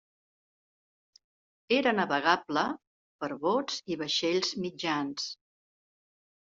Era navegable per bots i vaixells mitjans.